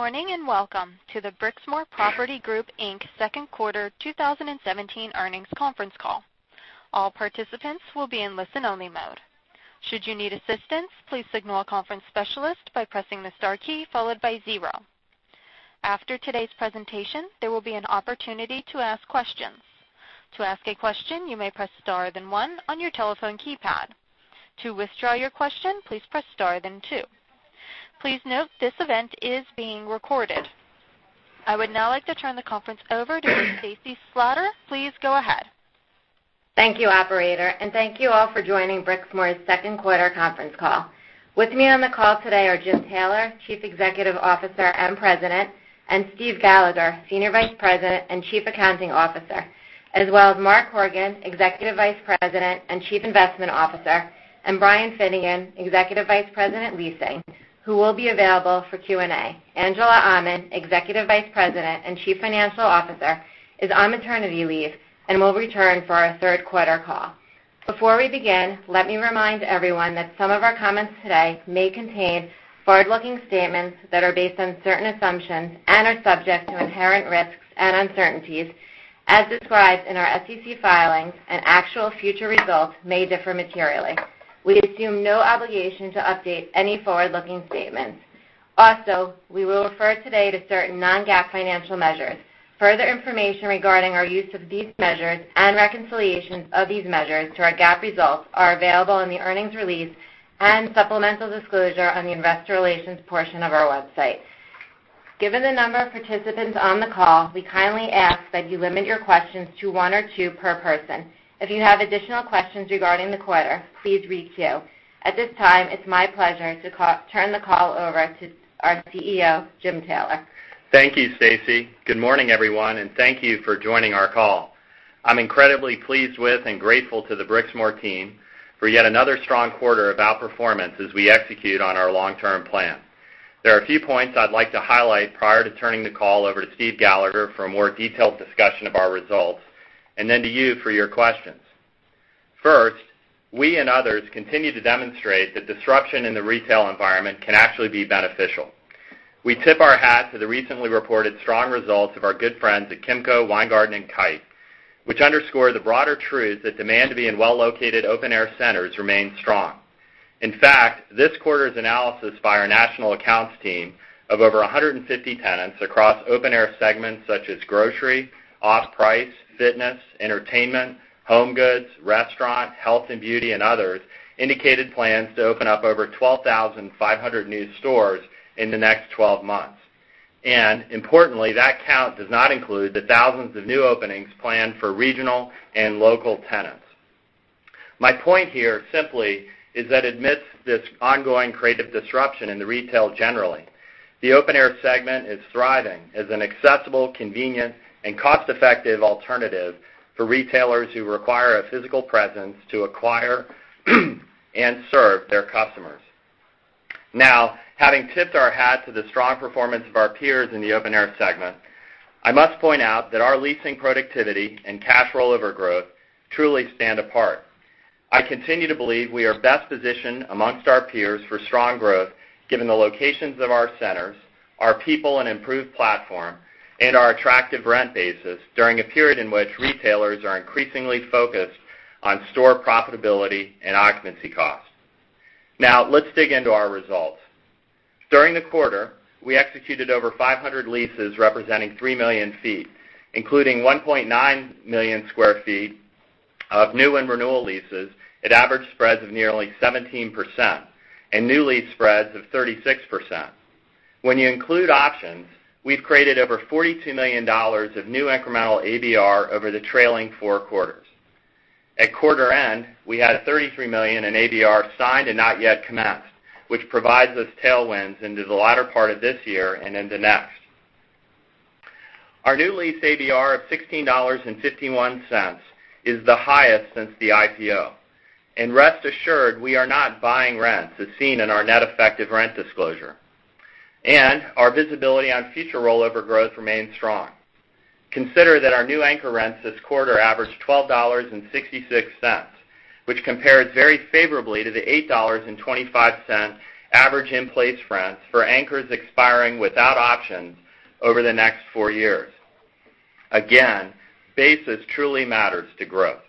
Morning and welcome to the Brixmor Property Group Inc. second quarter 2017 earnings conference call. All participants will be in listen only mode. Should you need assistance, please signal a conference specialist by pressing the star key followed by zero. After today's presentation, there will be an opportunity to ask questions. To ask a question, you may press star, then one on your telephone keypad. To withdraw your question, please press star then two. Please note this event is being recorded. I would now like to turn the conference over to Stacy Slater. Please go ahead. Thank you, operator. Thank you all for joining Brixmor's second quarter conference call. With me on the call today are James Taylor, Chief Executive Officer and President, and Steven Gallagher, Senior Vice President and Chief Accounting Officer, as well as Mark Horgan, Executive Vice President and Chief Investment Officer, and Brian Finnegan, Executive Vice President, Leasing, who will be available for Q&A. Angela Aman, Executive Vice President and Chief Financial Officer, is on maternity leave and will return for our third quarter call. Before we begin, let me remind everyone that some of our comments today may contain forward-looking statements that are based on certain assumptions and are subject to inherent risks and uncertainties as described in our SEC filings and actual future results may differ materially. We assume no obligation to update any forward-looking statements. We will refer today to certain non-GAAP financial measures. Further information regarding our use of these measures and reconciliations of these measures to our GAAP results are available in the earnings release and supplemental disclosure on the investor relations portion of our website. Given the number of participants on the call, we kindly ask that you limit your questions to one or two per person. If you have additional questions regarding the quarter, please re-queue. At this time, it's my pleasure to turn the call over to our CEO, James Taylor. Thank you, Stacy. Good morning, everyone. Thank you for joining our call. I'm incredibly pleased with and grateful to the Brixmor team for yet another strong quarter of outperformance as we execute on our long-term plan. There are a few points I'd like to highlight prior to turning the call over to Steven Gallagher for a more detailed discussion of our results, and then to you for your questions. First, we and others continue to demonstrate that disruption in the retail environment can actually be beneficial. We tip our hat to the recently reported strong results of our good friends at Kimco, Weingarten, and Kite, which underscore the broader truth that demand to be in well-located open-air centers remains strong. In fact, this quarter's analysis by our national accounts team of over 150 tenants across open-air segments such as grocery, off-price, fitness, entertainment, home goods, restaurant, health and beauty, and others, indicated plans to open up over 12,500 new stores in the next 12 months. That count does not include the thousands of new openings planned for regional and local tenants. My point here simply is that amidst this ongoing creative disruption in the retail generally, the open-air segment is thriving as an accessible, convenient and cost-effective alternative for retailers who require a physical presence to acquire and serve their customers. Having tipped our hat to the strong performance of our peers in the open-air segment, I must point out that our leasing productivity and cash rollover growth truly stand apart. I continue to believe we are best positioned amongst our peers for strong growth given the locations of our centers, our people and improved platform, and our attractive rent basis during a period in which retailers are increasingly focused on store profitability and occupancy costs. Let's dig into our results. During the quarter, we executed over 500 leases representing 3 million feet, including 1.9 million square feet of new and renewal leases at average spreads of nearly 17%, and new lease spreads of 36%. When you include options, we've created over $42 million of new incremental ABR over the trailing four quarters. At quarter end, we had $33 million in ABR signed and not yet commenced, which provides us tailwinds into the latter part of this year and into next. Our new lease ABR of $16.51 is the highest since the IPO. Rest assured, we are not buying rents as seen in our net effective rent disclosure. Our visibility on future rollover growth remains strong. Consider that our new anchor rents this quarter averaged $12.66, which compares very favorably to the $8.25 average in-place rents for anchors expiring without options over the next four years. Basis truly matters to growth.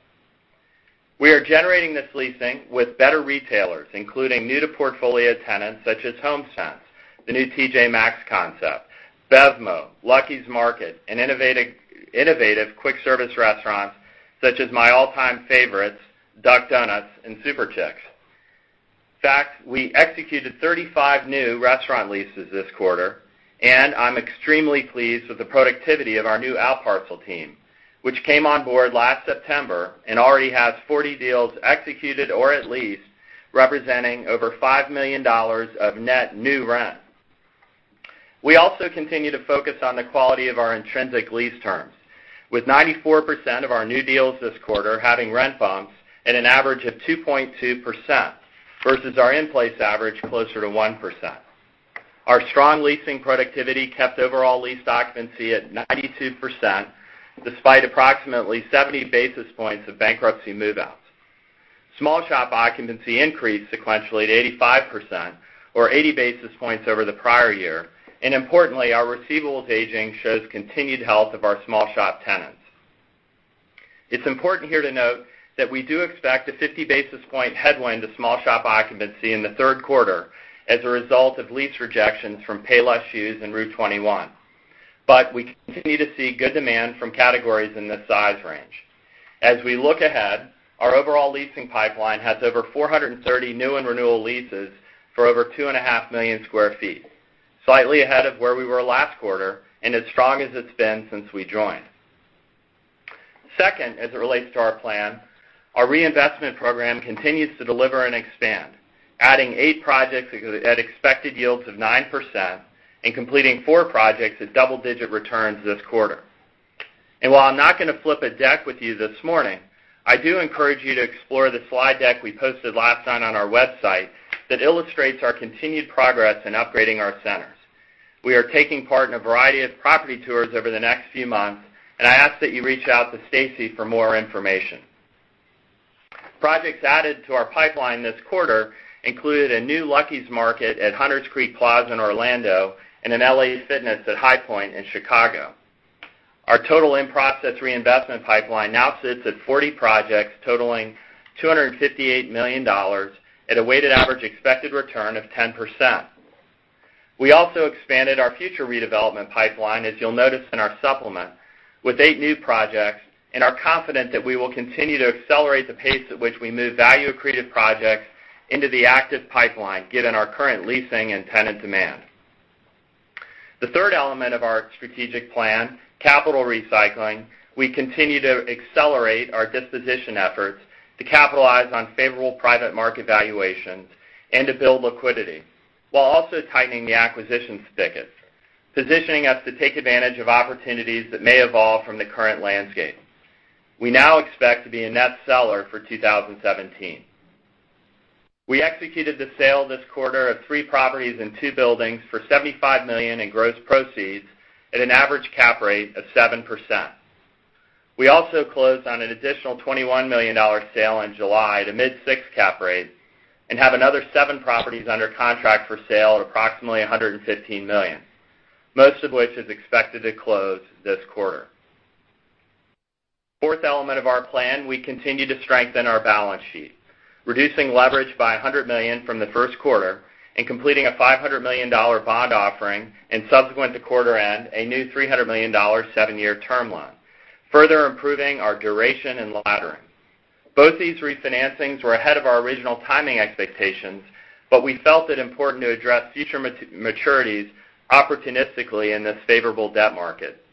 We are generating this leasing with better retailers, including new to portfolio tenants such as HomeSense, the new TJ Maxx concept, BevMo, Lucky's Market, and innovative quick service restaurants such as my all-time favorites, Duck Donuts and Super Chix. In fact, we executed 35 new restaurant leases this quarter, and I'm extremely pleased with the productivity of our new outparcel team, which came on board last September and already has 40 deals executed or at lease representing over $5 million of net new rent. We also continue to focus on the quality of our intrinsic lease terms. With 94% of our new deals this quarter having rent bumps at an average of 2.2% versus our in-place average closer to 1%. Our strong leasing productivity kept overall lease occupancy at 92%, despite approximately 70 basis points of bankruptcy move-outs. Small shop occupancy increased sequentially to 85%, or 80 basis points over the prior year. Our receivables aging shows continued health of our small shop tenants. It's important here to note that we do expect a 50 basis point headwind to small shop occupancy in the third quarter as a result of lease rejections from Payless Shoes and rue21. We continue to see good demand from categories in this size range. As we look ahead, our overall leasing pipeline has over 430 new and renewal leases for over two and a half million square feet, slightly ahead of where we were last quarter and as strong as it's been since we joined. Second, as it relates to our plan, our reinvestment program continues to deliver and expand, adding eight projects at expected yields of 9% and completing four projects at double-digit returns this quarter. While I am not going to flip a deck with you this morning, I do encourage you to explore the slide deck we posted last night on our website that illustrates our continued progress in upgrading our centers. We are taking part in a variety of property tours over the next few months, I ask that you reach out to Stacy for more information. Projects added to our pipeline this quarter included a new Lucky's Market at Hunter's Creek Plaza in Orlando and an LA Fitness at High Point in Chicago. Our total in-process reinvestment pipeline now sits at 40 projects totaling $258 million at a weighted average expected return of 10%. We also expanded our future redevelopment pipeline, as you will notice in our supplement, with eight new projects and are confident that we will continue to accelerate the pace at which we move value-accretive projects into the active pipeline given our current leasing and tenant demand. The third element of our strategic plan, capital recycling, we continue to accelerate our disposition efforts to capitalize on favorable private market valuations and to build liquidity, while also tightening the acquisition spigots, positioning us to take advantage of opportunities that may evolve from the current landscape. We now expect to be a net seller for 2017. We executed the sale this quarter of three properties and two buildings for $75 million in gross proceeds at an average cap rate of 7%. We also closed on an additional $21 million sale in July at a mid six cap rate and have another seven properties under contract for sale at approximately $115 million, most of which is expected to close this quarter. Fourth element of our plan, we continue to strengthen our balance sheet, reducing leverage by $100 million from the first quarter and completing a $500 million bond offering and subsequent to quarter end, a new $300 million seven-year term loan, further improving our duration and laddering. Both these refinancings were ahead of our original timing expectations, we felt it important to address future maturities opportunistically in this favorable debt market.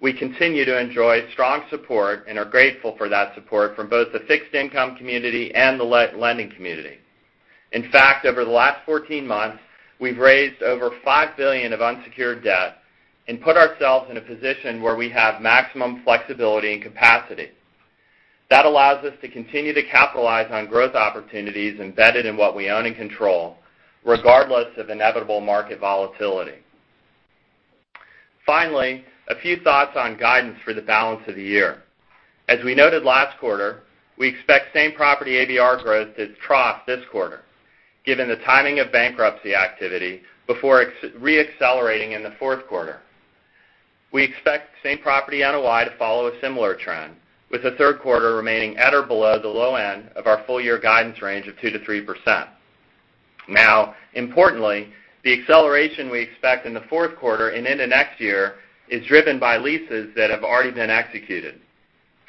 We continue to enjoy strong support and are grateful for that support from both the fixed income community and the lending community. In fact, over the last 14 months, we have raised over $5 billion of unsecured debt and put ourselves in a position where we have maximum flexibility and capacity. That allows us to continue to capitalize on growth opportunities embedded in what we own and control, regardless of inevitable market volatility. Finally, a few thoughts on guidance for the balance of the year. As we noted last quarter, we expect same-property ABR growth to trough this quarter given the timing of bankruptcy activity before re-accelerating in the fourth quarter. We expect same-property NOI to follow a similar trend, with the third quarter remaining at or below the low end of our full-year guidance range of 2%-3%. Now, importantly, the acceleration we expect in the fourth quarter and into next year is driven by leases that have already been executed,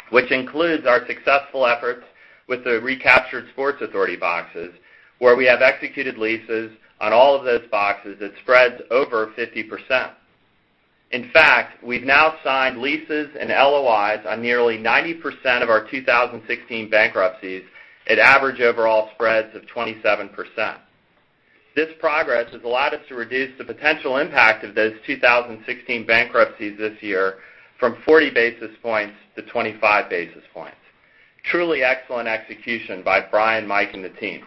which includes our successful efforts with the recaptured Sports Authority boxes, where we have executed leases on all of those boxes that spreads over 50%. In fact, we've now signed leases and LOIs on nearly 90% of our 2016 bankruptcies at average overall spreads of 27%. This progress has allowed us to reduce the potential impact of those 2016 bankruptcies this year from 40 basis points to 25 basis points. Truly excellent execution by Brian, Mike, and the team.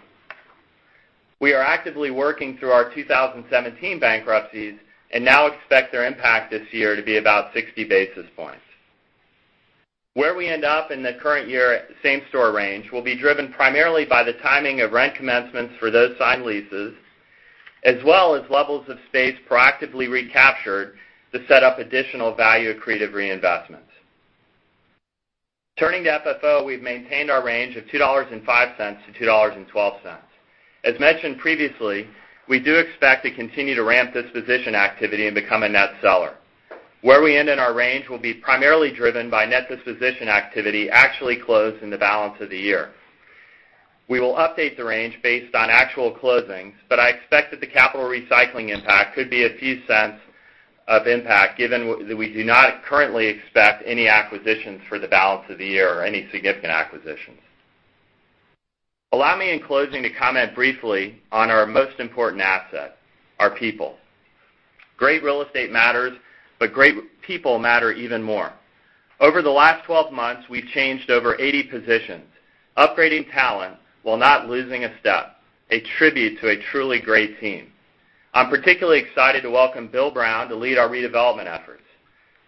We are actively working through our 2017 bankruptcies and now expect their impact this year to be about 60 basis points. Where we end up in the current year same-store range will be driven primarily by the timing of rent commencements for those signed leases, as well as levels of space proactively recaptured to set up additional value-accretive reinvestments. Turning to FFO, we've maintained our range of $2.05 to $2.12. As mentioned previously, we do expect to continue to ramp disposition activity and become a net seller. Where we end in our range will be primarily driven by net disposition activity actually closed in the balance of the year. We will update the range based on actual closings, but I expect that the capital recycling impact could be a few cents of impact given that we do not currently expect any acquisitions for the balance of the year or any significant acquisitions. Allow me in closing to comment briefly on our most important asset, our people. Great real estate matters, but great people matter even more. Over the last 12 months, we've changed over 80 positions, upgrading talent while not losing a step, a tribute to a truly great team. I'm particularly excited to welcome Bill Brown to lead our redevelopment efforts.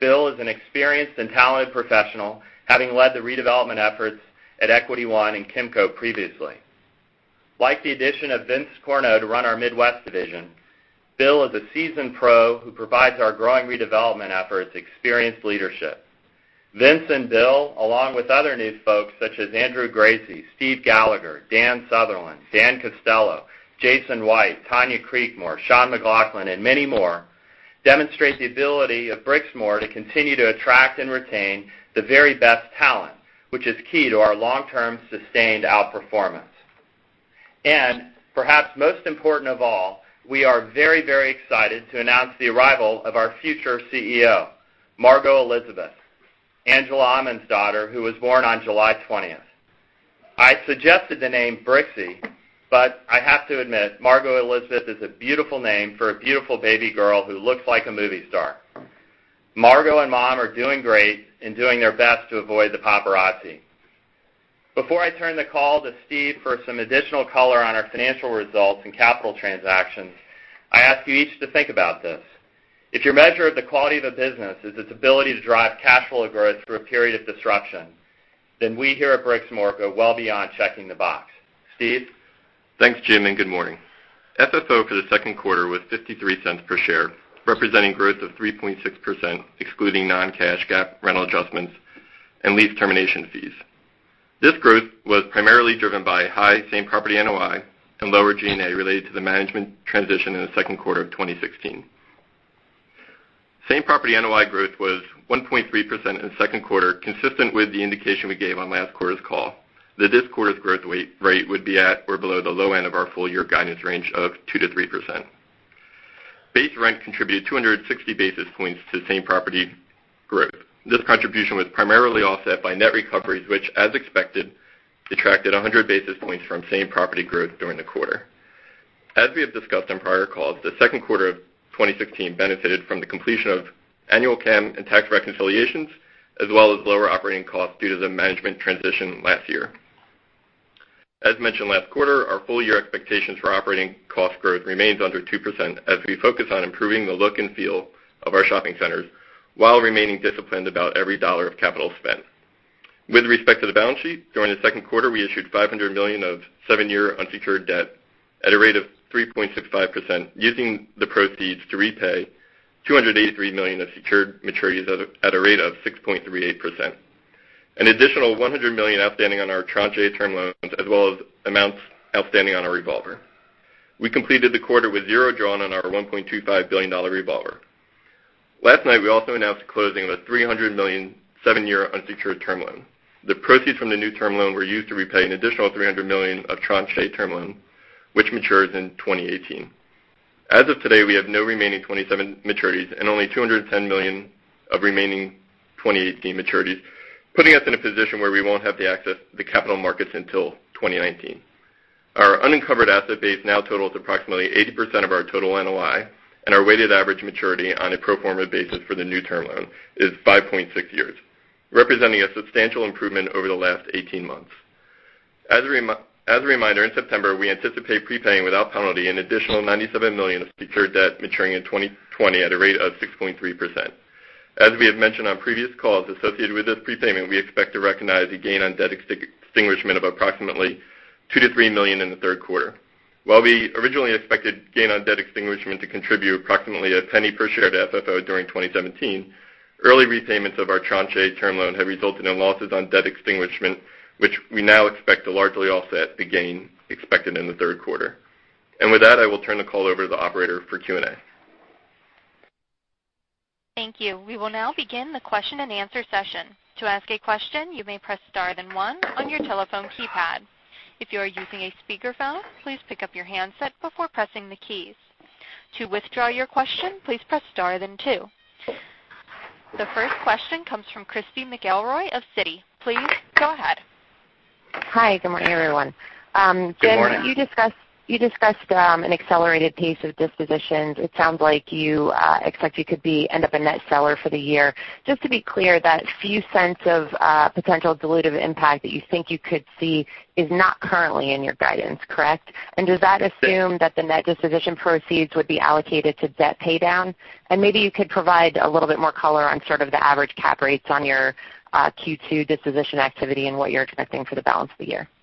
Bill is an experienced and talented professional, having led the redevelopment efforts at Equity One and Kimco previously. Like the addition of Vince Corno to run our Midwest division, Bill is a seasoned pro who provides our growing redevelopment efforts experienced leadership. Vince and Bill, along with other new folks such as Andrew Gracey, Steve Gallagher, Dan Sutherland, Dan Costello, Jason White, Tonya Creekmore, Sean McLaughlin, and many more, demonstrate the ability of Brixmor to continue to attract and retain the very best talent, which is key to our long-term sustained outperformance. Perhaps most important of all, we are very excited to announce the arrival of our future CEO, Margo Elizabeth, Angela Aman's daughter, who was born on July 20th. I suggested the name Brixie, but I have to admit, Margo Elizabeth is a beautiful name for a beautiful baby girl who looks like a movie star. Margo and mom are doing great and doing their best to avoid the paparazzi. Before I turn the call to Steve for some additional color on our financial results and capital transactions, I ask you each to think about this. If your measure of the quality of a business is its ability to drive cash flow growth through a period of disruption, then we here at Brixmor go well beyond checking the box. Steve? Thanks, Jim, and good morning. FFO for the second quarter was $0.53 per share, representing growth of 3.6%, excluding non-cash GAAP rental adjustments and lease termination fees. This growth was primarily driven by high same-property NOI and lower G&A related to the management transition in the second quarter of 2016. Same-property NOI growth was 1.3% in the second quarter, consistent with the indication we gave on last quarter's call. That this quarter's growth rate would be at or below the low end of our full-year guidance range of 2%-3%. Base rent contributed 260 basis points to same-property growth. This contribution was primarily offset by net recoveries, which, as expected, detracted 100 basis points from same-property growth during the quarter. As we have discussed on prior calls, the second quarter of 2016 benefited from the completion of annual CAM and tax reconciliations, as well as lower operating costs due to the management transition last year. As mentioned last quarter, our full-year expectations for operating cost growth remains under 2% as we focus on improving the look and feel of our shopping centers while remaining disciplined about every dollar of capital spent. With respect to the balance sheet, during the second quarter, we issued $500 million of seven-year unsecured debt at a rate of 3.65%, using the proceeds to repay $283 million of secured maturities at a rate of 6.38%. An additional $100 million outstanding on our tranche A term loans, as well as amounts outstanding on our revolver. We completed the quarter with zero drawn on our $1.25 billion revolver. Last night, we also announced the closing of a $300 million seven-year unsecured term loan. The proceeds from the new term loan were used to repay an additional $300 million of tranche A term loan, which matures in 2018. As of today, we have no remaining 2017 maturities and only $210 million of remaining 2018 maturities, putting us in a position where we won't have the access to the capital markets until 2019. Our uncovered asset base now totals approximately 80% of our total NOI, and our weighted average maturity on a pro forma basis for the new term loan is 5.6 years, representing a substantial improvement over the last 18 months. As a reminder, in September, we anticipate prepaying without penalty an additional $97 million of secured debt maturing in 2020 at a rate of 6.3%. As we have mentioned on previous calls, associated with this prepayment, we expect to recognize a gain on debt extinguishment of approximately $2 million-$3 million in the third quarter. While we originally expected gain on debt extinguishment to contribute approximately $0.01 per share to FFO during 2017, early repayments of our tranche A term loan have resulted in losses on debt extinguishment, which we now expect to largely offset the gain expected in the third quarter. With that, I will turn the call over to the operator for Q&A. Thank you. We will now begin the question-and-answer session. To ask a question, you may press star one on your telephone keypad. If you are using a speakerphone, please pick up your handset before pressing the keys. To withdraw your question, please press star then two. The first question comes from Christy McElroy of Citi. Please go ahead. Hi. Good morning, everyone. Good morning. Jim, you discussed an accelerated pace of dispositions. It sounds like you expect you could end up a net seller for the year. Just to be clear, that few cents of potential dilutive impact that you think you could see is not currently in your guidance, correct? Does that assume that the net disposition proceeds would be allocated to debt paydown? Maybe you could provide a little bit more color on sort of the average cap rates on your Q2 disposition activity and what you're expecting for the balance of the year. Thanks.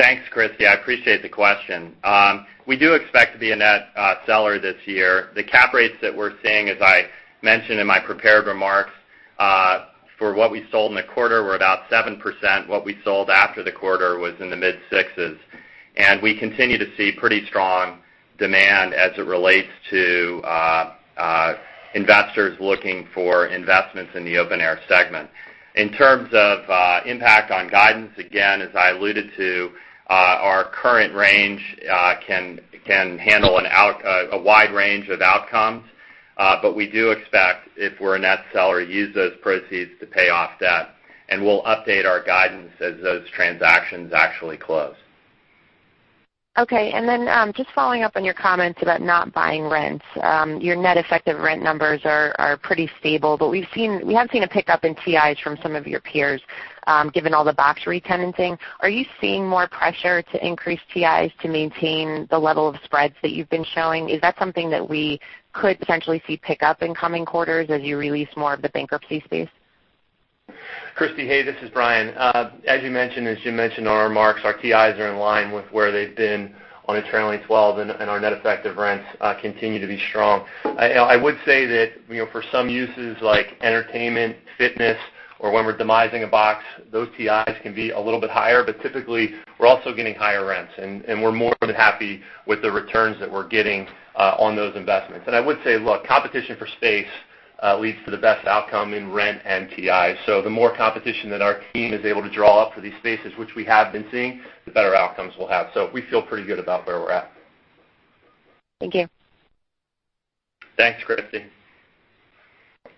Thanks, Christy. I appreciate the question. We do expect to be a net seller this year. The cap rates that we're seeing, as I mentioned in my prepared remarks, for what we sold in the quarter, were about 7%. What we sold after the quarter was in the mid-sixes. We continue to see pretty strong demand as it relates to investors looking for investments in the open-air segment. In terms of impact on guidance, again, as I alluded to, our current range can handle a wide range of outcomes. We do expect, if we're a net seller, use those proceeds to pay off debt, and we'll update our guidance as those transactions actually close. Okay. Just following up on your comments about not buying rents. Your net effective rent numbers are pretty stable, we have seen a pickup in TIs from some of your peers given all the box retenanting. Are you seeing more pressure to increase TIs to maintain the level of spreads that you've been showing? Is that something that we could potentially see pick up in coming quarters as you release more of the bankruptcy space? Christy, hey, this is Brian. As you mentioned, as Jim mentioned in our remarks, our TIs are in line with where they've been on a trailing 12, our net effective rents continue to be strong. I would say that for some uses like entertainment, fitness, or when we're demising a box, those TIs can be a little bit higher. Typically, we're also getting higher rents, we're more than happy with the returns that we're getting on those investments. I would say, look, competition for space leads to the best outcome in rent and TI. The more competition that our team is able to draw up for these spaces, which we have been seeing, the better outcomes we'll have. We feel pretty good about where we're at. Thank you. Thanks, Christy.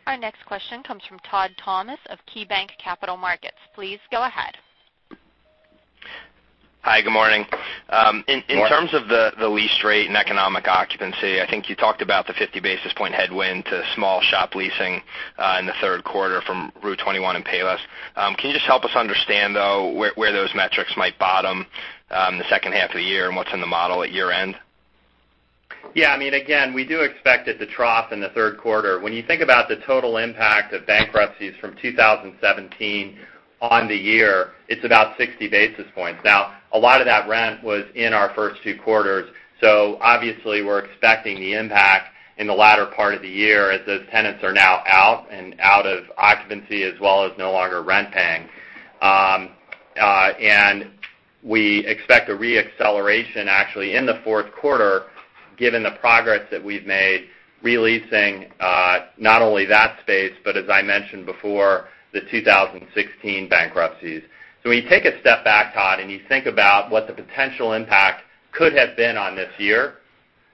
Our next question comes from Todd Thomas of KeyBanc Capital Markets. Please go ahead. Hi, good morning. Good morning. In terms of the lease rate and economic occupancy, I think you talked about the 50 basis point headwind to small shop leasing in the third quarter from rue21 and Payless. Can you just help us understand, though, where those metrics might bottom the second half of the year, and what's in the model at year-end? Yeah. Again, we do expect it to trough in the third quarter. When you think about the total impact of bankruptcies from 2017 on the year, it's about 60 basis points. A lot of that rent was in our first two quarters, so obviously, we're expecting the impact in the latter part of the year as those tenants are now out, and out of occupancy as well as no longer rent paying. We expect a re-acceleration actually in the fourth quarter, given the progress that we've made re-leasing, not only that space but as I mentioned before, the 2016 bankruptcies. When you take a step back, Todd, and you think about what the potential impact could have been on this year,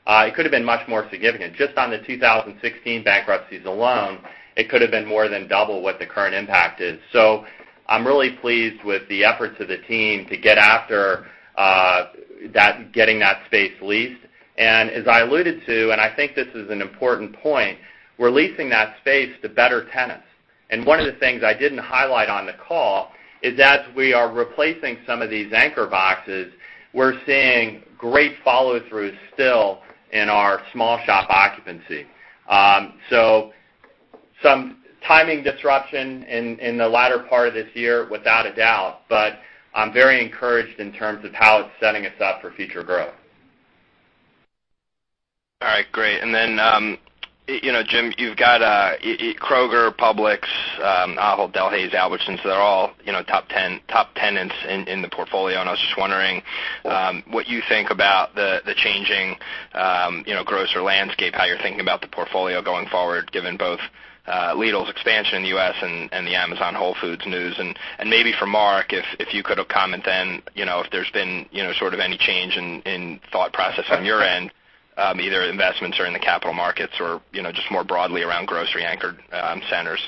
it could have been much more significant. Just on the 2016 bankruptcies alone, it could have been more than double what the current impact is. I'm really pleased with the efforts of the team to get after getting that space leased. As I alluded to, and I think this is an important point, we're leasing that space to better tenants. One of the things I didn't highlight on the call is that we are replacing some of these anchor boxes, we're seeing great follow-through still in our small shop occupancy. Some timing disruption in the latter part of this year, without a doubt, but I'm very encouraged in terms of how it's setting us up for future growth. All right, great. Then Jim, you've got Kroger, Publix, Ahold Delhaize, Albertsons, they're all top 10 tenants in the portfolio, and I was just wondering what you think about the changing grocer landscape, how you're thinking about the portfolio going forward, given both Lidl's expansion in the U.S. and the Amazon Whole Foods news. Maybe for Mark, if you could comment then, if there's been sort of any change in thought process on your end, either investments or in the capital markets or, just more broadly around grocery anchored centers.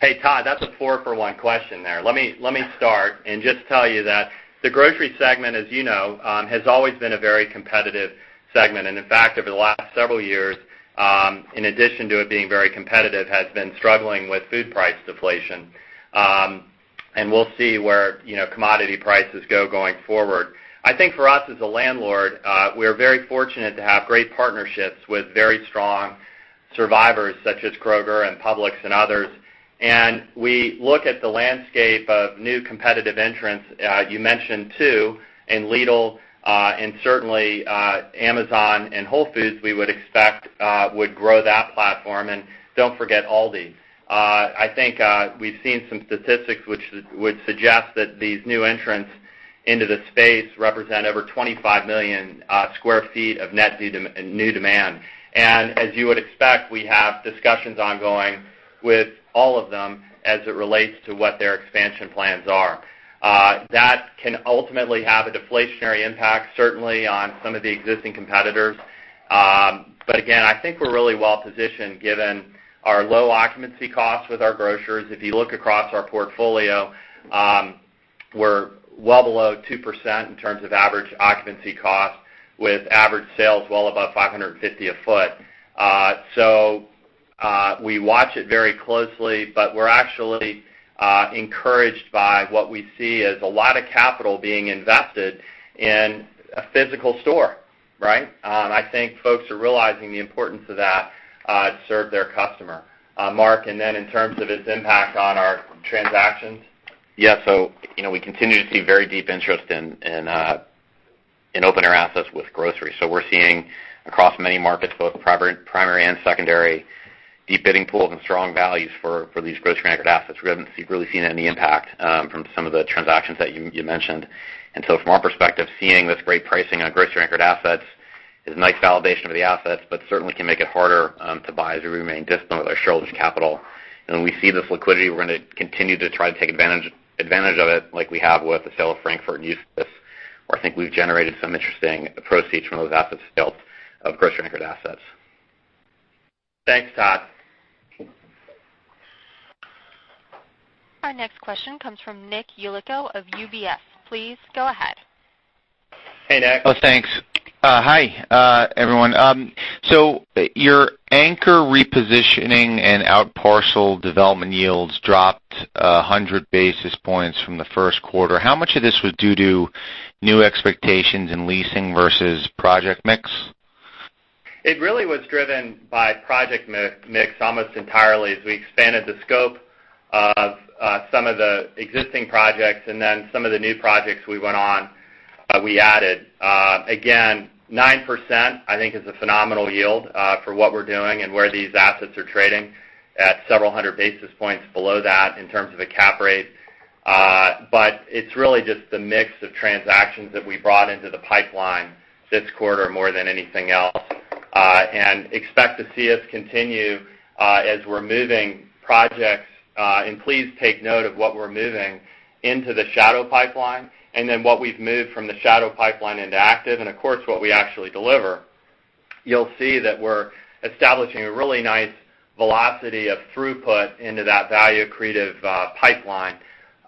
Hey, Todd, that's a 4 for 1 question there. Let me start and just tell you that the grocery segment, as you know, has always been a very competitive segment. In fact, over the last several years, in addition to it being very competitive, has been struggling with food price deflation. We'll see where commodity prices go going forward. I think for us as a landlord, we're very fortunate to have great partnerships with very strong survivors such as Kroger and Publix and others. We look at the landscape of new competitive entrants. You mentioned 2, in Lidl, and certainly Amazon and Whole Foods, we would expect would grow that platform. Don't forget Aldi. I think we've seen some statistics which would suggest that these new entrants into the space represent over 25 million sq ft of net new demand. As you would expect, we have discussions ongoing with all of them as it relates to what their expansion plans are. That can ultimately have a deflationary impact, certainly on some of the existing competitors. Again, I think we're really well-positioned given our low occupancy costs with our grocers. If you look across our portfolio, we're well below 2% in terms of average occupancy cost, with average sales well above $550 a sq ft. We watch it very closely, but we're actually encouraged by what we see as a lot of capital being invested in a physical store. Right? I think folks are realizing the importance of that to serve their customer. Mark, in terms of its impact on our transactions? Yeah. We continue to see very deep interest in open-air assets with grocery. We're seeing across many markets, both primary and secondary, deep bidding pools and strong values for these grocery anchored assets. We haven't really seen any impact from some of the transactions that you mentioned. From our perspective, seeing this great pricing on grocery anchored assets is a nice validation of the assets, but certainly can make it harder to buy as we remain disciplined with our shareholders' capital. When we see this liquidity, we're going to continue to try to take advantage of it like we have with the sale of Frankfort and Eustis, where I think we've generated some interesting proceeds from those assets sold of grocery anchored assets. Thanks, Todd. Our next question comes from Nicholas Yulico of UBS. Please go ahead. Hey, Nick. Oh, thanks. Hi, everyone. Your anchor repositioning and outparcel development yields dropped 100 basis points from the first quarter. How much of this was due to new expectations in leasing versus project mix? It really was driven by project mix almost entirely as we expanded the scope of some of the existing projects and then some of the new projects we went on, we added. Again, nine%, I think is a phenomenal yield for what we're doing and where these assets are trading at several hundred basis points below that in terms of the cap rate. It's really just the mix of transactions that we brought into the pipeline this quarter more than anything else, and expect to see us continue as we're moving projects. Please take note of what we're moving into the shadow pipeline, and then what we've moved from the shadow pipeline into active and, of course, what we actually deliver. You'll see that we're establishing a really nice velocity of throughput into that value-accretive pipeline.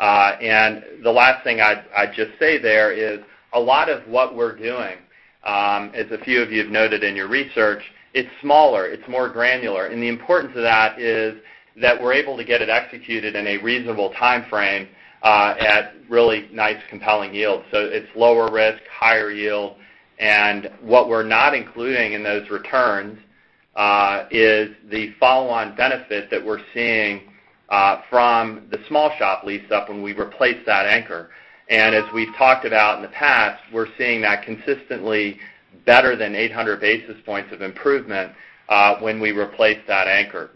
The last thing I'd just say there is a lot of what we're doing, as a few of you have noted in your research, it's smaller, it's more granular. The importance of that is that we're able to get it executed in a reasonable timeframe at really nice, compelling yields. It's lower risk, higher yield. What we're not including in those returns, is the follow-on benefit that we're seeing from the small shop lease-up when we replace that anchor. As we've talked about in the past, we're seeing that consistently better than 800 basis points of improvement when we replace that anchor.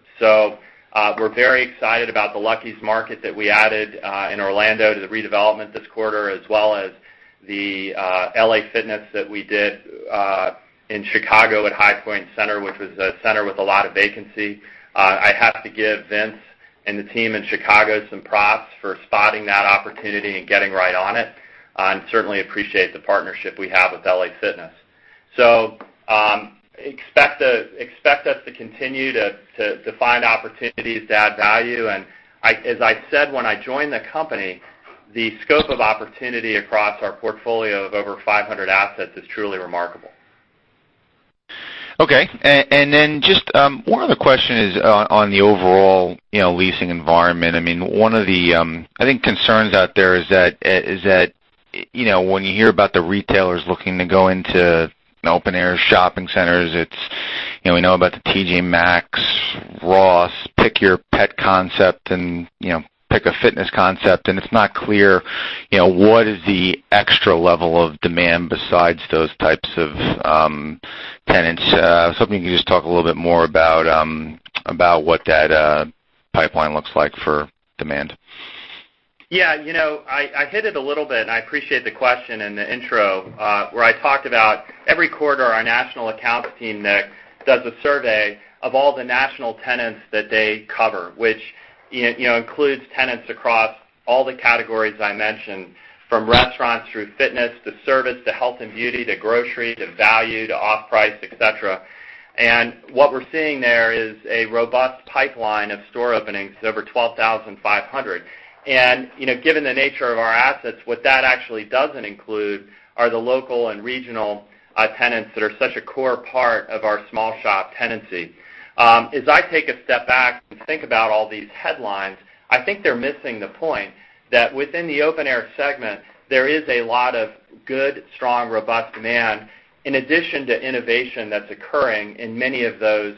We're very excited about the Lucky's Market that we added in Orlando to the redevelopment this quarter, as well as the LA Fitness that we did in Chicago at High Point Centre, which was a center with a lot of vacancy. I have to give Vince and the team in Chicago some props for spotting that opportunity and getting right on it, and certainly appreciate the partnership we have with LA Fitness. Expect us to continue to find opportunities to add value. As I said when I joined the company, the scope of opportunity across our portfolio of over 500 assets is truly remarkable. Okay. Then just one other question is on the overall leasing environment. One of the concerns out there is that when you hear about the retailers looking to go into open-air shopping centers, we know about the TJ Maxx, Ross, pick your pet concept and pick a fitness concept, it's not clear what is the extra level of demand besides those types of tenants. I was hoping you could just talk a little bit more about what that pipeline looks like for demand. Yeah. I hit it a little bit, I appreciate the question in the intro, where I talked about every quarter our national accounts team, Nick, does a survey of all the national tenants that they cover, which includes tenants across all the categories I mentioned, from restaurants through fitness to service, to health and beauty, to grocery, to value, to off-price, et cetera. What we're seeing there is a robust pipeline of store openings, over 12,500. Given the nature of our assets, what that actually doesn't include are the local and regional tenants that are such a core part of our small shop tenancy. As I take a step back and think about all these headlines, I think they are missing the point that within the open-air segment, there is a lot of good, strong, robust demand in addition to innovation that is occurring in many of those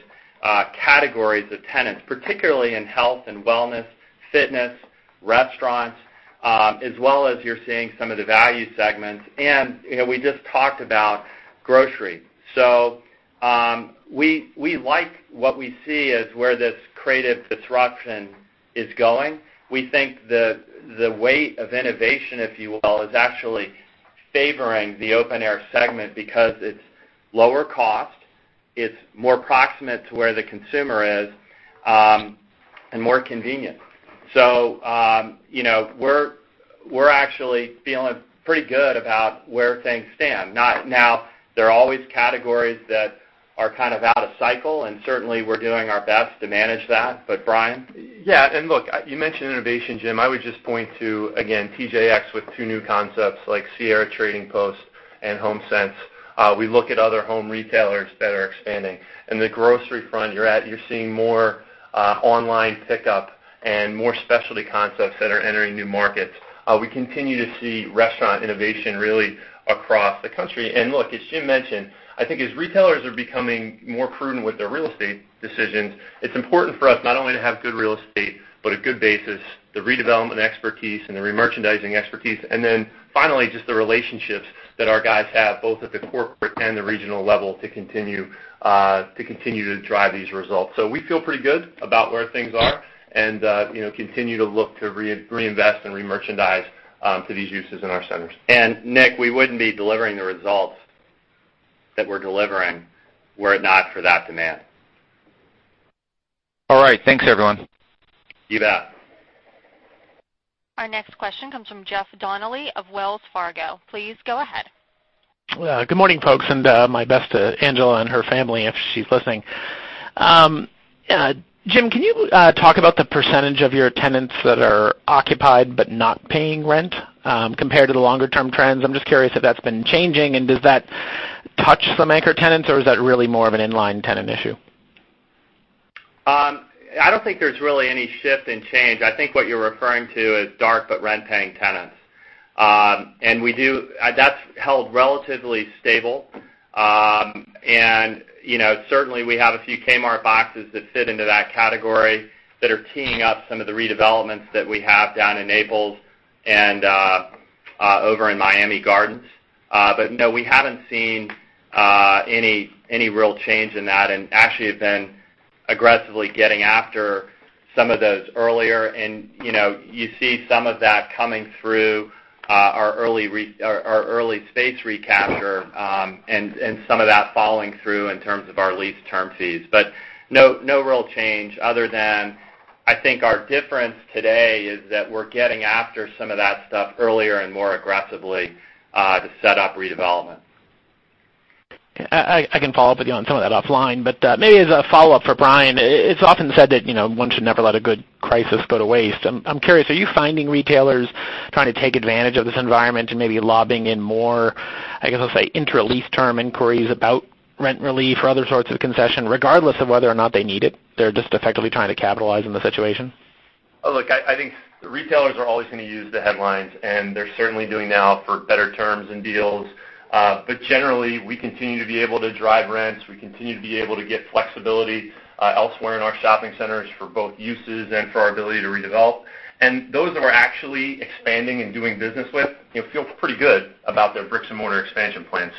categories of tenants, particularly in health and wellness, fitness, restaurants, as well as you are seeing some of the value segments. We just talked about grocery. So, we like what we see as where this creative disruption is going. We think the weight of innovation, if you will, is actually favoring the open-air segment because it is lower cost, it is more proximate to where the consumer is, and more convenient. So, we are actually feeling pretty good about where things stand. Now, there are always categories that are out of cycle, and certainly, we are doing our best to manage that. Brian? Yeah. Look, you mentioned innovation, Jim. I would just point to, again, TJX with two new concepts like Sierra Trading Post and HomeSense. We look at other home retailers that are expanding. In the grocery front, you are seeing more online pickup and more specialty concepts that are entering new markets. We continue to see restaurant innovation really across the country. Look, as Jim mentioned, I think as retailers are becoming more prudent with their real estate decisions, it is important for us not only to have good real estate, but a good basis, the redevelopment expertise and the remerchandising expertise. Finally, just the relationships that our guys have, both at the corporate and the regional level, to continue to drive these results. So we feel pretty good about where things are and continue to look to reinvest and remerchandise for these uses in our centers. Nick, we wouldn't be delivering the results that we are delivering were it not for that demand. All right. Thanks, everyone. You bet. Our next question comes from Jeff Donnelly of Wells Fargo. Please go ahead. Good morning, folks, and my best to Angela and her family if she's listening. Jim, can you talk about the percentage of your tenants that are occupied but not paying rent, compared to the longer-term trends? I'm just curious if that's been changing, and does that touch some anchor tenants, or is that really more of an in-line tenant issue? I don't think there's really any shift in change. I think what you're referring to is dark but rent-paying tenants. That's held relatively stable. Certainly, we have a few Kmart boxes that fit into that category that are teeing up some of the redevelopments that we have down in Naples and over in Miami Gardens. No, we haven't seen any real change in that and actually have been aggressively getting after some of those earlier. You see some of that coming through our early space recapture, and some of that following through in terms of our lease term fees. No real change other than, I think, our difference today is that we're getting after some of that stuff earlier and more aggressively, to set up redevelopments. I can follow up with you on some of that offline, maybe as a follow-up for Brian, it's often said that one should never let a good crisis go to waste. I'm curious, are you finding retailers trying to take advantage of this environment and maybe lobbing in more, I guess I'll say, inter lease term inquiries about rent relief or other sorts of concession, regardless of whether or not they need it, they're just effectively trying to capitalize on the situation? Oh, look, I think the retailers are always going to use the headlines, they're certainly doing now for better terms and deals. Generally, we continue to be able to drive rents. We continue to be able to get flexibility elsewhere in our shopping centers for both uses and for our ability to redevelop. Those that we're actually expanding and doing business with feel pretty good about their bricks-and-mortar expansion plan.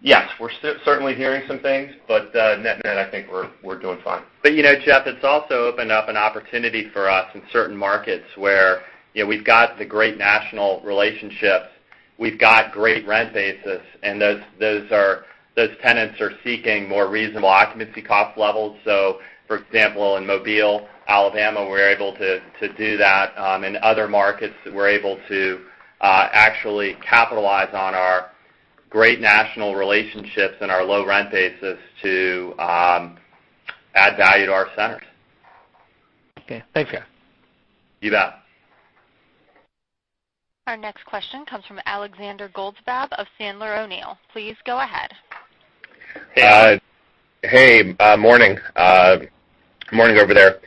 Yes, we're certainly hearing some things, net, I think we're doing fine. Jeff, it's also opened up an opportunity for us in certain markets where we've got the great national relationships, we've got great rent bases, those tenants are seeking more reasonable occupancy cost levels. For example, in Mobile, Alabama, we're able to do that. In other markets, we're able to actually capitalize on our great national relationships and our low rent bases to add value to our centers. Okay. Thanks, guys. You bet. Our next question comes from Alexander Goldfarb of Sandler O'Neill. Please go ahead. Hey. Morning. Morning over there.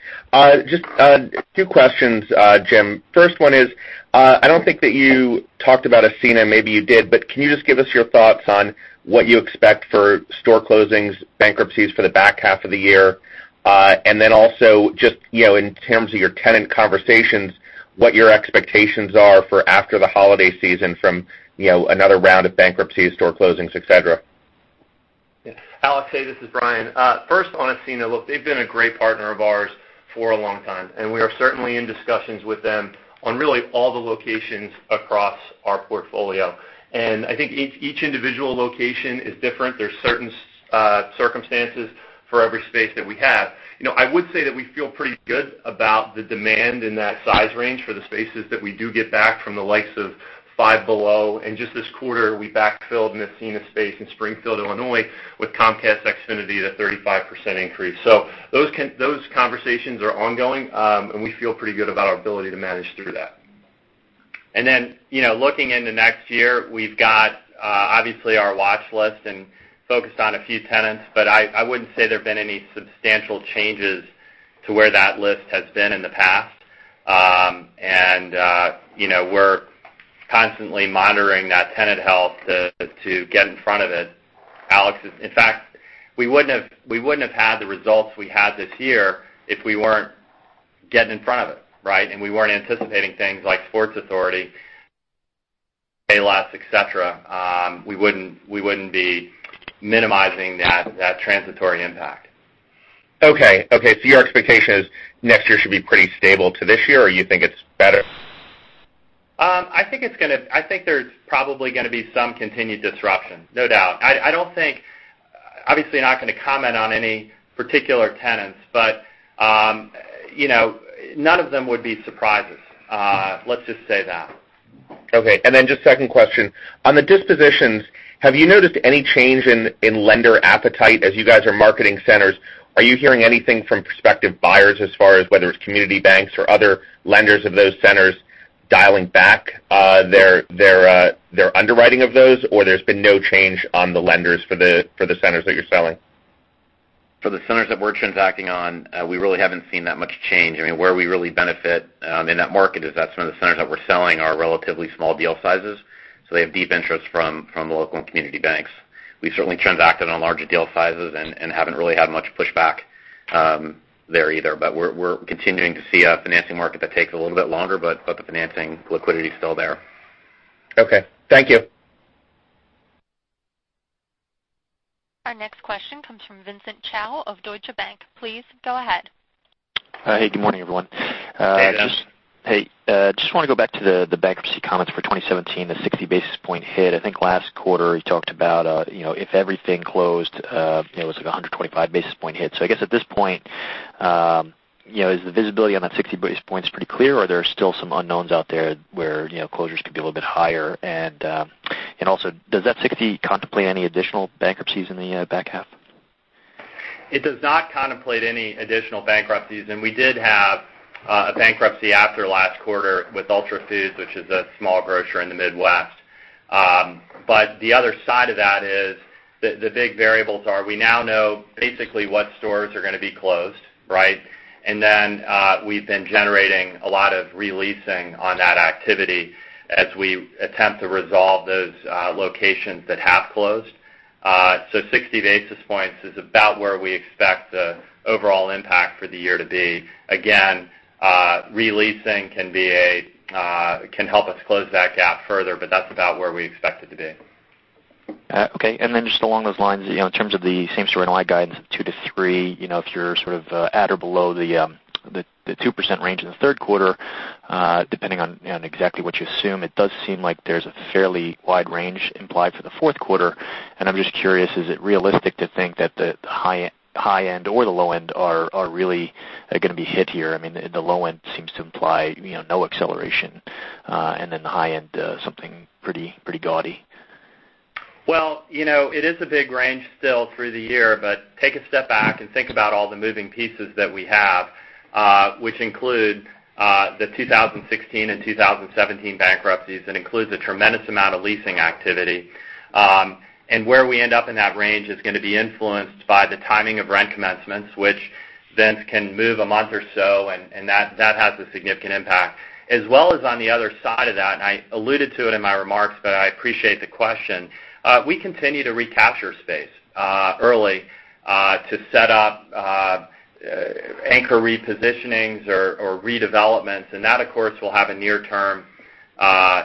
Just a few questions, Jim. First one is, I don't think that you talked about Ascena. Maybe you did, but can you just give us your thoughts on what you expect for store closings, bankruptcies for the back half of the year? Then also just in terms of your tenant conversations, what your expectations are for after the holiday season from another round of bankruptcies, store closings, et cetera. Alex, hey, this is Brian. First on Ascena, look, they've been a great partner of ours for a long time. We are certainly in discussions with them on really all the locations across our portfolio. I think each individual location is different. There's certain circumstances for every space that we have. I would say that we feel pretty good about the demand in that size range for the spaces that we do get back from the likes of Five Below. Just this quarter, we backfilled an Ascena space in Springfield, Illinois, with Comcast Xfinity at a 35% increase. Those conversations are ongoing, and we feel pretty good about our ability to manage through that. Looking into next year, we've got obviously our watch list and focused on a few tenants, but I wouldn't say there have been any substantial changes to where that list has been in the past. We're constantly monitoring that tenant health to get in front of it. Alex, in fact, we wouldn't have had the results we had this year if we weren't getting in front of it, right? We weren't anticipating things like Sports Authority, Payless, et cetera. We wouldn't be minimizing that transitory impact. Your expectation is next year should be pretty stable to this year, or you think it's better? I think there's probably going to be some continued disruption, no doubt. Obviously not going to comment on any particular tenants, but none of them would be surprises. Let's just say that. Just second question. On the dispositions, have you noticed any change in lender appetite as you guys are marketing centers? Are you hearing anything from prospective buyers as far as whether it's community banks or other lenders of those centers dialing back their underwriting of those? There's been no change on the lenders for the centers that you're selling? For the centers that we're transacting on, we really haven't seen that much change. Where we really benefit in that market is that some of the centers that we're selling are relatively small deal sizes, so they have deep interest from the local and community banks. We've certainly transacted on larger deal sizes and haven't really had much pushback there either. We're continuing to see a financing market that takes a little bit longer, but the financing liquidity is still there. Okay. Thank you. Our next question comes from Vincent Chao of Deutsche Bank. Please go ahead. Hey, good morning, everyone. Hey. Hey, just want to go back to the bankruptcy comments for 2017, the 60 basis point hit. I think last quarter you talked about, if everything closed, it was like a 125 basis point hit. I guess at this point, is the visibility on that 60 basis points pretty clear, or there are still some unknowns out there where closures could be a little bit higher? Also, does that 60 contemplate any additional bankruptcies in the back half? It does not contemplate any additional bankruptcies. We did have a bankruptcy after last quarter with Ultra Foods, which is a small grocer in the Midwest. The other side of that is, the big variables are, we now know basically what stores are going to be closed. We've been generating a lot of re-leasing on that activity as we attempt to resolve those locations that have closed. 60 basis points is about where we expect the overall impact for the year to be. Again, re-leasing can help us close that gap further, but that's about where we expect it to be. Just along those lines, in terms of the same-store NOI guidance of two to three, if you're sort of at or below the 2% range in the third quarter, depending on exactly what you assume, it does seem like there's a fairly wide range implied for the fourth quarter. I'm just curious, is it realistic to think that the high end or the low end are really going to be hit here? I mean, the low end seems to imply no acceleration, and then the high end, something pretty gaudy. Well, it is a big range still through the year, but take a step back and think about all the moving pieces that we have, which include the 2016 and 2017 bankruptcies. That includes a tremendous amount of leasing activity. Where we end up in that range is going to be influenced by the timing of rent commencements, which then can move a month or so, and that has a significant impact. As well as on the other side of that, and I alluded to it in my remarks, but I appreciate the question, we continue to recapture space early to set up anchor repositionings or redevelopments, and that, of course, will have a near-term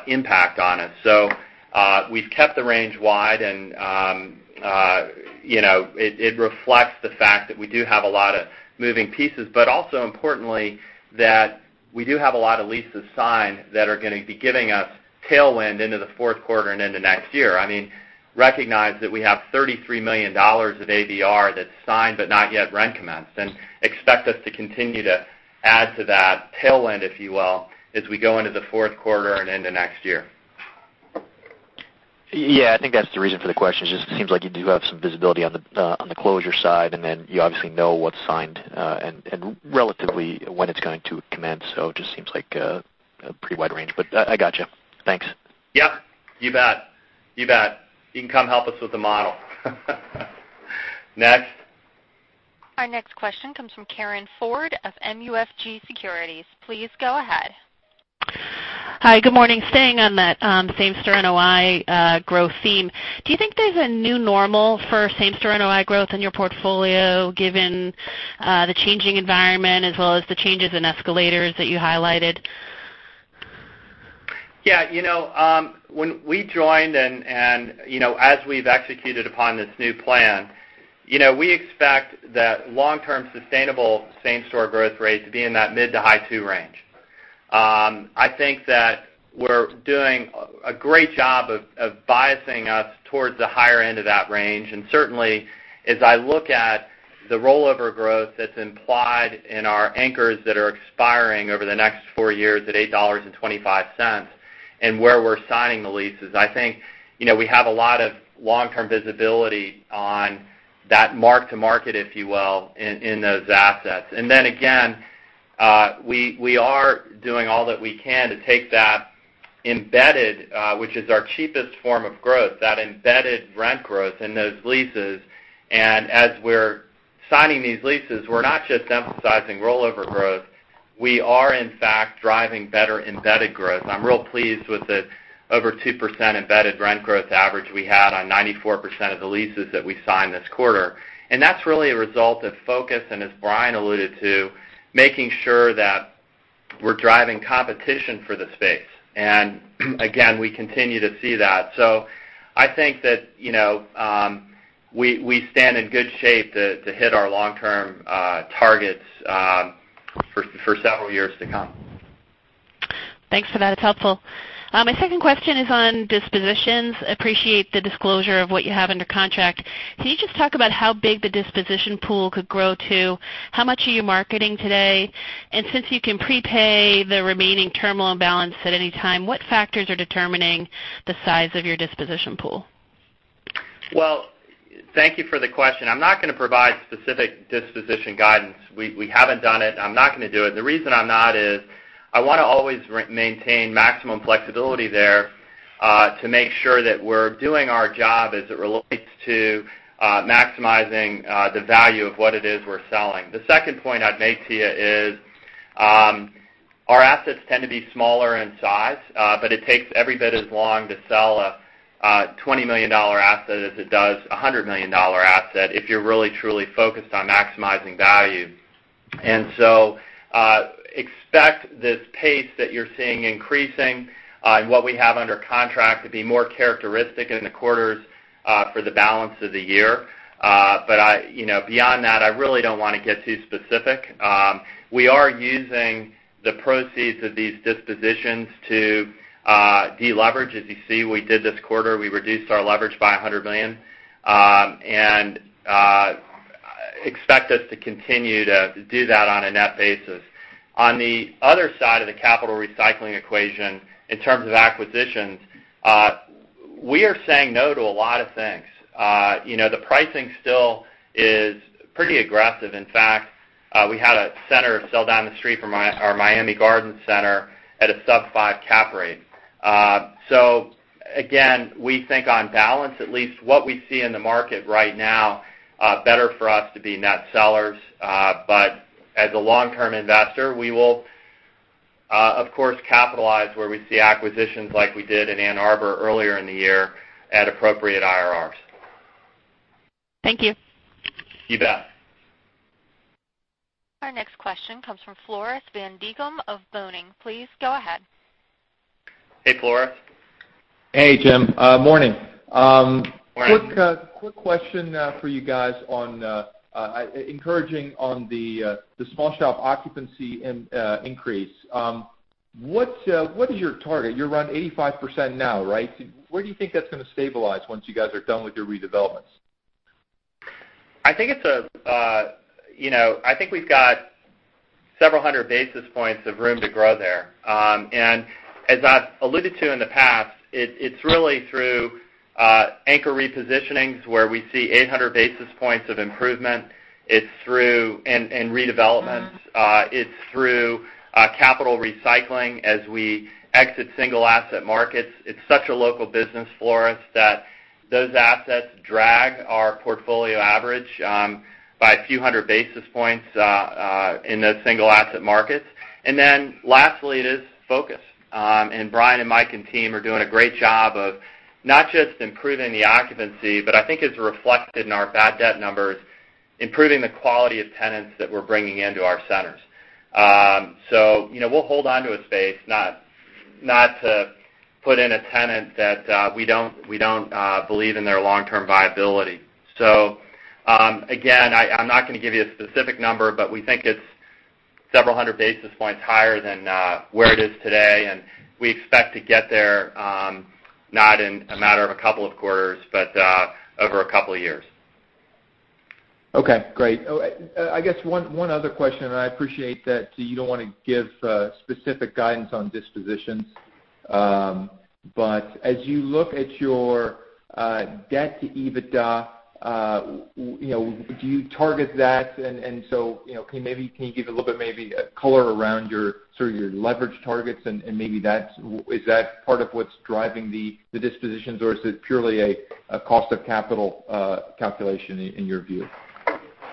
impact on us. We've kept the range wide, and it reflects the fact that we do have a lot of moving pieces, but also importantly, that we do have a lot of leases signed that are going to be giving us tailwind into the fourth quarter and into next year. I mean, recognize that we have $33 million of ABR that's signed but not yet rent commenced, and expect us to continue to add to that tailwind, if you will, as we go into the fourth quarter and into next year. Yeah, I think that's the reason for the question. It just seems like you do have some visibility on the closure side, and then you obviously know what's signed, and relatively when it's going to commence, it just seems like a pretty wide range. I gotcha. Thanks. Yep. You bet. You can come help us with the model. Next. Our next question comes from Karin Ford of MUFG Securities. Please go ahead. Hi, good morning. Staying on that same-store NOI growth theme, do you think there's a new normal for same-store NOI growth in your portfolio, given the changing environment as well as the changes in escalators that you highlighted? Yeah. When we joined and as we've executed upon this new plan, we expect that long-term sustainable same-store growth rate to be in that mid to high two range. I think that we're doing a great job of biasing us towards the higher end of that range. Certainly, as I look at the rollover growth that's implied in our anchors that are expiring over the next four years at $8.25, and where we're signing the leases, I think, we have a lot of long-term visibility on that mark to market, if you will, in those assets. Again, we are doing all that we can to take that embedded, which is our cheapest form of growth, that embedded rent growth in those leases, and as we're signing these leases, we're not just emphasizing rollover growth, we are in fact driving better embedded growth. I'm real pleased with the over 2% embedded rent growth average we had on 94% of the leases that we signed this quarter. That's really a result of focus, and as Brian alluded to, making sure that we're driving competition for the space. Again, we continue to see that. I think that we stand in good shape to hit our long-term targets for several years to come. Thanks for that. It's helpful. My second question is on dispositions. Appreciate the disclosure of what you have under contract. Can you just talk about how big the disposition pool could grow to? How much are you marketing today? Since you can prepay the remaining term loan balance at any time, what factors are determining the size of your disposition pool? Well, thank you for the question. I'm not going to provide specific disposition guidance. We haven't done it, and I'm not going to do it. The reason I'm not is, I want to always maintain maximum flexibility there to make sure that we're doing our job as it relates to maximizing the value of what it is we're selling. The second point I'd make to you is, our assets tend to be smaller in size, but it takes every bit as long to sell a $20 million asset as it does a $100 million asset, if you're really truly focused on maximizing value. Expect this pace that you're seeing increasing, and what we have under contract to be more characteristic in the quarters for the balance of the year. Beyond that, I really don't want to get too specific. We are using the proceeds of these dispositions to deleverage. As you see, we did this quarter. We reduced our leverage by $100 million. Expect us to continue to do that on a net basis. On the other side of the capital recycling equation, in terms of acquisitions, we are saying no to a lot of things. The pricing still is pretty aggressive. We had a center still down the street from our Miami Gardens center at a sub 5 cap rate. Again, we think on balance, at least what we see in the market right now, better for us to be net sellers. As a long-term investor, we will, of course, capitalize where we see acquisitions like we did in Ann Arbor earlier in the year at appropriate IRRs. Thank you. You bet. Our next question comes from Floris van Dijkum of Boenning & Scattergood. Please go ahead. Hey, Floris. Hey, Jim. Morning. Morning. Quick question for you guys on encouraging on the small shop occupancy increase. What is your target? You're around 85% now, right? Where do you think that's going to stabilize once you guys are done with your redevelopments? I think we've got several hundred basis points of room to grow there. As I've alluded to in the past, it's really through anchor repositionings where we see 800 basis points of improvement. It's through redevelopments. It's through capital recycling as we exit single asset markets. It's such a local business, Floris, that those assets drag our portfolio average by a few hundred basis points in those single asset markets. Then lastly, it is focus. Brian and Mike and team are doing a great job of not just improving the occupancy, but I think it's reflected in our bad debt numbers, improving the quality of tenants that we're bringing into our centers. We'll hold onto a space, not to put in a tenant that we don't believe in their long-term viability. Again, I'm not going to give you a specific number, but we think it's several hundred basis points higher than where it is today, and we expect to get there not in a matter of a couple of quarters, but over a couple of years. Okay, great. I guess one other question, I appreciate that you don't want to give specific guidance on dispositions. As you look at your debt to EBITDA, do you target that? Can you give a little bit maybe color around your sort of your leverage targets, and maybe is that part of what's driving the dispositions, or is it purely a cost of capital calculation in your view?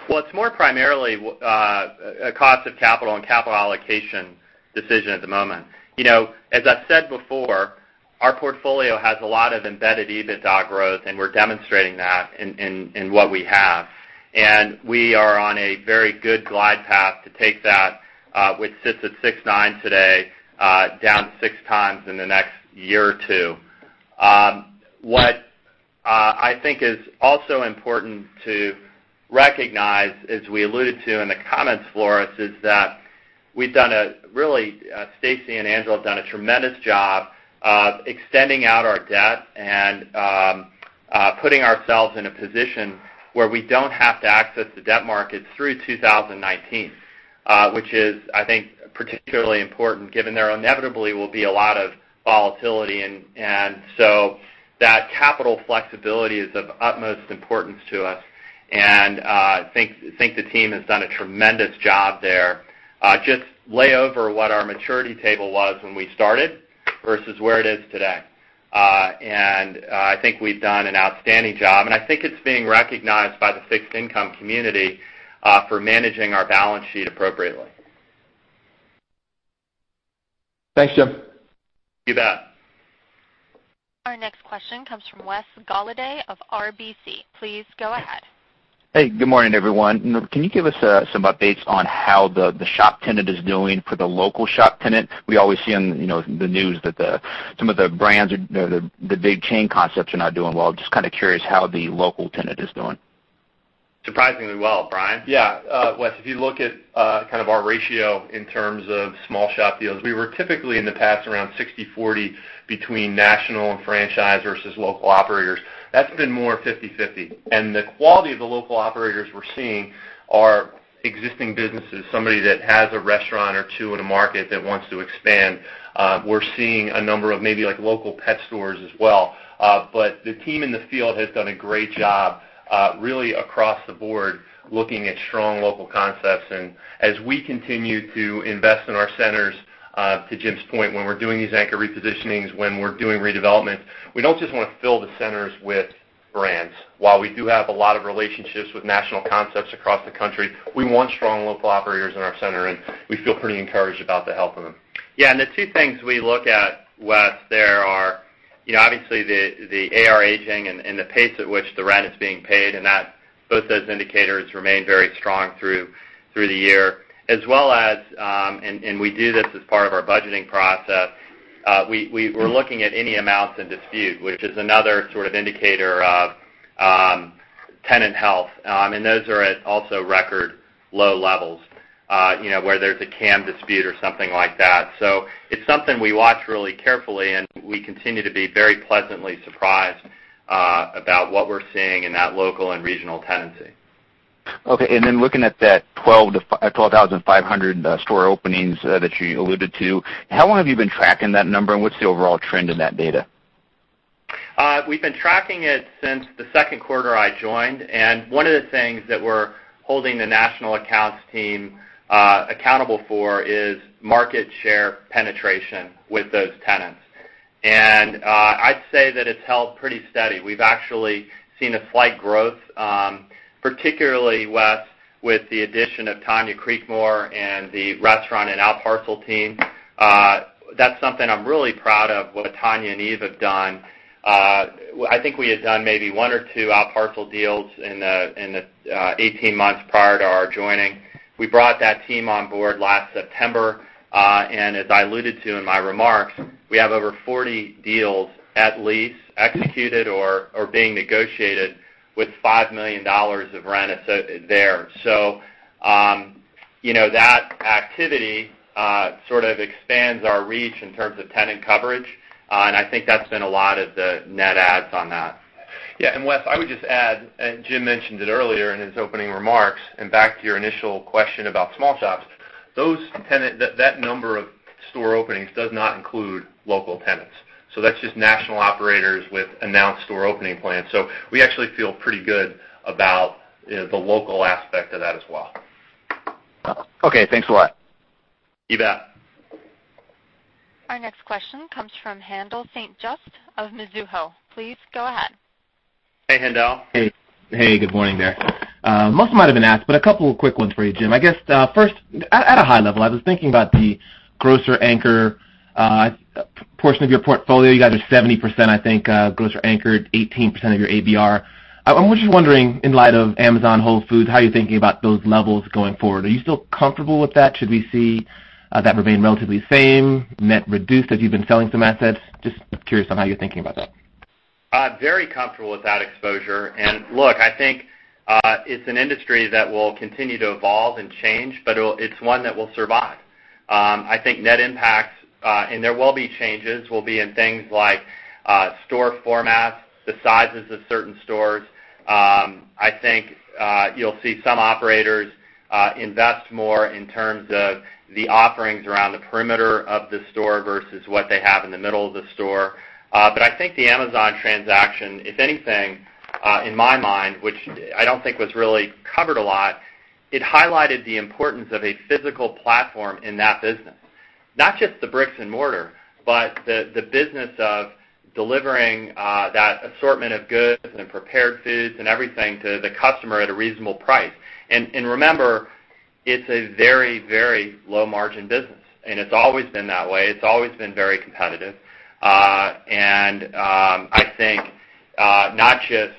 It's more primarily a cost of capital and capital allocation decision at the moment. As I've said before, our portfolio has a lot of embedded EBITDA growth, we're demonstrating that in what we have. We are on a very good glide path to take that, which sits at 6.9 today, down 6 times in the next year or two. What I think is also important to recognize, as we alluded to in the comments, Floris, is that we've done a really Stacy and Angela have done a tremendous job of extending out our debt and putting ourselves in a position where we don't have to access the debt markets through 2019, which is, I think, particularly important given there inevitably will be a lot of volatility. That capital flexibility is of utmost importance to us, I think the team has done a tremendous job there. Just lay over what our maturity table was when we started versus where it is today. I think we've done an outstanding job, and I think it's being recognized by the fixed income community for managing our balance sheet appropriately. Thanks, Jim. You bet. Our next question comes from Wes Golliday of RBC. Please go ahead. Hey, good morning, everyone. Can you give us some updates on how the shop tenant is doing for the local shop tenant? We always see on the news that some of the brands, the big chain concepts are not doing well. Just kind of curious how the local tenant is doing. Surprisingly well. Brian? Yeah. Wes, if you look at kind of our ratio in terms of small shop deals, we were typically in the past around 60/40 between national and franchise versus local operators. That's been more 50/50. The quality of the local operators we're seeing are existing businesses, somebody that has a restaurant or two in a market that wants to expand. We're seeing a number of maybe local pet stores as well. The team in the field has done a great job really across the board, looking at strong local concepts. As we continue to invest in our centers, to Jim's point, when we're doing these anchor repositionings, when we're doing redevelopment, we don't just want to fill the centers with brands. While we do have a lot of relationships with national concepts across the country, we want strong local operators in our center, and we feel pretty encouraged about the health of them. The two things we look at, Wes, there are obviously the AR aging and the pace at which the rent is being paid, both those indicators remain very strong through the year. As well as, we do this as part of our budgeting process, we're looking at any amounts in dispute, which is another sort of indicator of tenant health. Those are at also record low levels, where there's a CAM dispute or something like that. It's something we watch really carefully, we continue to be very pleasantly surprised about what we're seeing in that local and regional tenancy. Looking at that 12,500 store openings that you alluded to, how long have you been tracking that number, what's the overall trend in that data? We've been tracking it since the second quarter I joined, one of the things that we're holding the national accounts team accountable for is market share penetration with those tenants. I'd say that it's held pretty steady. We've actually seen a slight growth, particularly, Wes, with the addition of Tonya Creekmore and the restaurant and outparcel team. That's something I'm really proud of, what Tonya and Eve have done. I think we had done maybe one or two outparcel deals in the 18 months prior to our joining. We brought that team on board last September, as I alluded to in my remarks, we have over 40 deals at least executed or being negotiated with $5 million of rent there. That activity sort of expands our reach in terms of tenant coverage. I think that's been a lot of the net adds on that. Wes, I would just add, Jim mentioned it earlier in his opening remarks, back to your initial question about small shops. That number of store openings does not include local tenants. That's just national operators with announced store opening plans. We actually feel pretty good about the local aspect of that as well. Okay, thanks a lot. You bet. Our next question comes from Haendel St. Juste of Mizuho. Please go ahead. Hey, Haendel. Hey, good morning there. Most might have been asked, a couple of quick ones for you, Jim. I guess, first, at a high level, I was thinking about the grocer anchor portion of your portfolio. You guys are 70%, I think, grocer anchored, 18% of your ABR. I was just wondering, in light of Amazon Whole Foods, how you're thinking about those levels going forward. Are you still comfortable with that? Should we see that remain relatively same, net reduced as you've been selling some assets? Just curious on how you're thinking about that. Very comfortable with that exposure. Look, I think, it's an industry that will continue to evolve and change, it's one that will survive. I think net impact, there will be changes, will be in things like store formats, the sizes of certain stores. I think you'll see some operators invest more in terms of the offerings around the perimeter of the store versus what they have in the middle of the store. I think the Amazon transaction, if anything, in my mind, which I don't think was really covered a lot, it highlighted the importance of a physical platform in that business. Not just the bricks and mortar, but the business of delivering that assortment of goods and prepared foods and everything to the customer at a reasonable price. Remember, it's a very low-margin business, and it's always been that way. It's always been very competitive. I think not just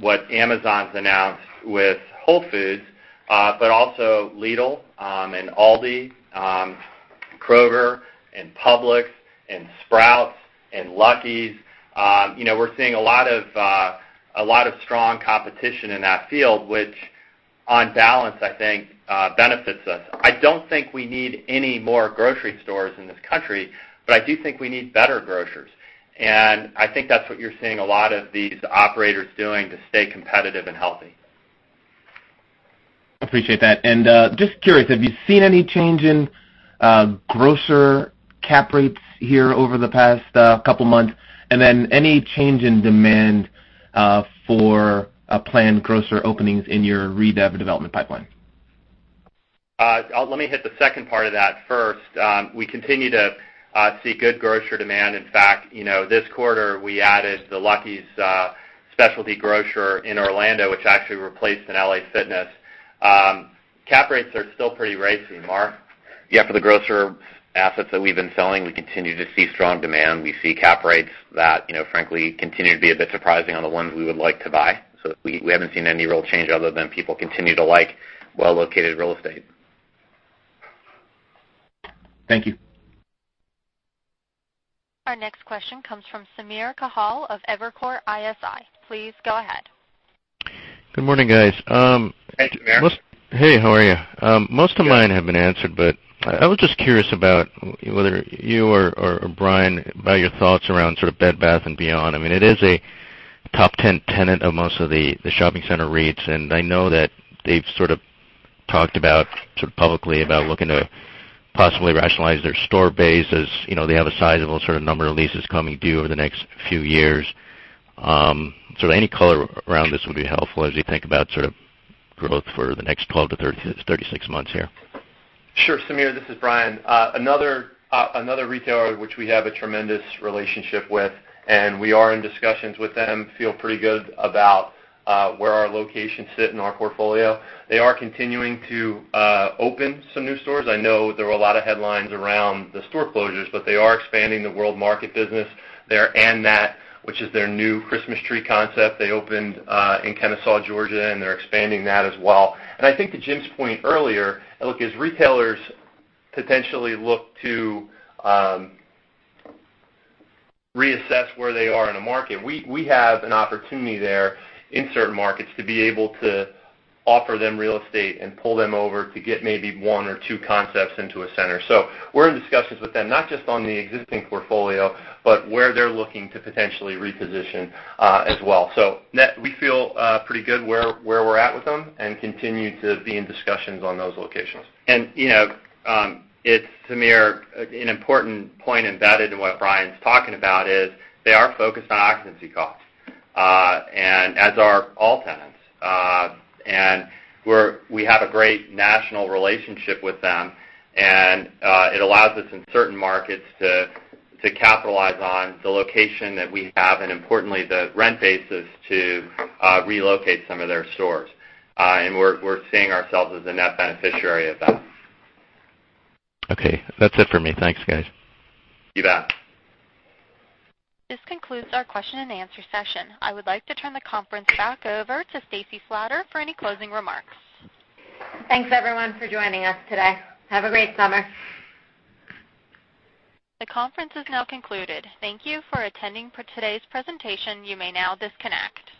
what Amazon's announced with Whole Foods, but also Lidl and Aldi, Kroger, and Publix, and Sprouts, and Lucky's. We're seeing a lot of strong competition in that field, which on balance, I think, benefits us. I don't think we need any more grocery stores in this country, I do think we need better grocers, I think that's what you're seeing a lot of these operators doing to stay competitive and healthy. Appreciate that. Just curious, have you seen any change in grocer cap rates here over the past couple of months? Then any change in demand for planned grocer openings in your redevelopment pipeline? Let me hit the second part of that first. We continue to see good grocer demand. In fact, this quarter, we added the Lucky's specialty grocer in Orlando, which actually replaced an LA Fitness. Cap rates are still pretty racy. Mark? Yeah, for the grocer assets that we've been selling, we continue to see strong demand. We see cap rates that frankly continue to be a bit surprising on the ones we would like to buy. We haven't seen any real change other than people continue to like well-located real estate. Thank you. Our next question comes from Samir Khanal of Evercore ISI. Please go ahead. Good morning, guys. Thank you, Samir. Hey, how are you? Good. Most of mine have been answered. I was just curious about whether you or Brian, about your thoughts around sort of Bed Bath & Beyond. I mean, it is a top 10 tenant of most of the shopping center REITs, and I know that they've sort of talked about, sort of publicly, about looking to possibly rationalize their store base as they have a sizable sort of number of leases coming due over the next few years. Any color around this would be helpful as we think about sort of growth for the next 12 to 36 months here. Sure, Samir, this is Brian. Another retailer which we have a tremendous relationship with, we are in discussions with them, feel pretty good about where our locations sit in our portfolio. They are continuing to open some new stores. I know there were a lot of headlines around the store closures, but they are expanding the World Market business. Their andThat!, which is their new Christmas tree concept they opened in Kennesaw, Georgia, they're expanding that as well. I think to Jim's point earlier, look, as retailers potentially look to reassess where they are in a market, we have an opportunity there in certain markets to be able to offer them real estate and pull them over to get maybe one or two concepts into a center. We're in discussions with them, not just on the existing portfolio, but where they're looking to potentially reposition as well. Net, we feel pretty good where we're at with them and continue to be in discussions on those locations. Samir, an important point embedded in what Brian's talking about is they are focused on occupancy costs, and as are all tenants. We have a great national relationship with them, and it allows us in certain markets to capitalize on the location that we have and importantly, the rent bases to relocate some of their stores. We're seeing ourselves as a net beneficiary of that. Okay. That's it for me. Thanks, guys. You bet. This concludes our question and answer session. I would like to turn the conference back over to Stacy Slater for any closing remarks. Thanks, everyone, for joining us today. Have a great summer. The conference is now concluded. Thank you for attending today's presentation. You may now disconnect.